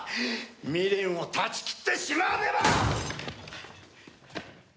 未練を断ち切ってしまわねば！